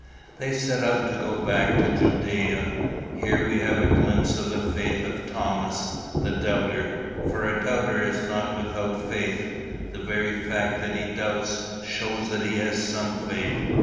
"They set out to go back to Judæa. Here we have a glimpse of the faith of Thomas, the doubter. For a doubter is not without faith. The very fact that he doubts, shows that he has some faith.